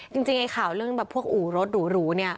จริงไอ้ข่าวเรื่องแบบพวกอู่รถหรูเนี่ย